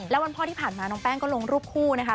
แล้ววันพ่อที่ผ่านมาน้องแป้งก็ลงรูปคู่นะคะ